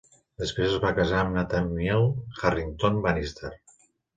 Després es va casar amb Nathaniel Harrington Bannister.